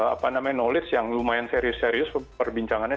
apa namanya knowledge yang lumayan serius serius perbincangannya